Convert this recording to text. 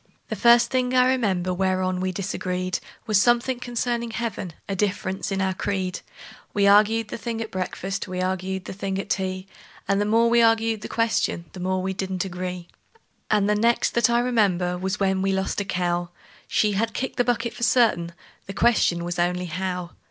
The first thing I remember whereon we disagreed Was something concerning heaven a difference in our creed; We arg'ed the thing at breakfast, we arg'ed the thing at tea, And the more we arg'ed the question the more we didn't agree. And the next that I remember was when we lost a cow; She had kicked the bucket for certain, the question was only How?